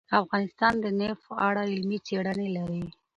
افغانستان د نفت په اړه علمي څېړنې لري.